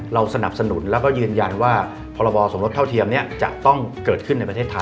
เราสนับสนุนแล้วก็ยืนยันว่าพรบสมรสเท่าเทียมนี้จะต้องเกิดขึ้นในประเทศไทย